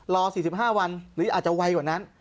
รอ๔๕วันหรืออาจจะไวกว่านั้น